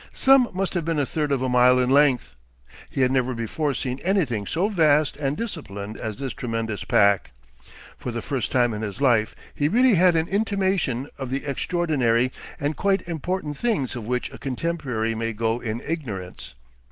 Some must have been a third of a mile in length. He had never before seen anything so vast and disciplined as this tremendous park. For the first time in his life he really had an intimation of the extraordinary and quite important things of which a contemporary may go in ignorance.